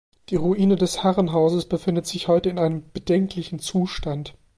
Die Ruine des Herrenhauses befindet sich heute in einem „bedenklichen Zustand“.